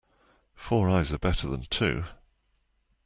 Four eyes are better than two.